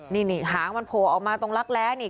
นี่หางมันโผล่ออกมาตรงรักแร้นี่